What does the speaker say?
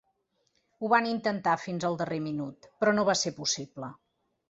Ho van intentar fins el darrer minut, però nova ser possible.